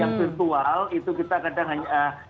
yang virtual itu kita kadang hanya